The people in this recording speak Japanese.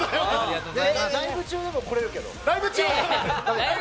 ライブ中でも来れるけど。